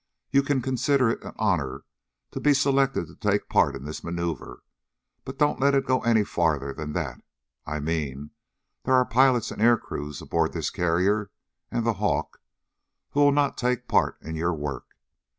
You can consider it an honor to be selected to take part in this maneuver, but don't let it go any farther than that. I mean, there are pilots, and air crews aboard this carrier, and the Hawk, who will not take part in your work.